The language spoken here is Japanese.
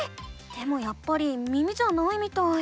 でもやっぱり耳じゃないみたい。